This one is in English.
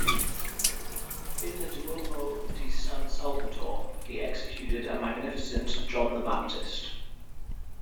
In the Duomo di San Salvatore, he executed a magnificent "John the Baptist".